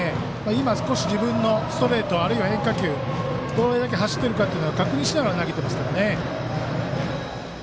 今、少し自分のストレートあるいは変化球どれだけ走ってるかを確認しながら投げてますね。